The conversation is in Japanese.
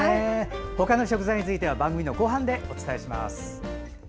他の食材については番組の後半でお伝えします。